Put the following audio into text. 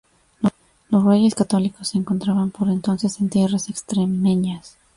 Los Reyes Católicos se encontraban por entonces en tierras extremeñas.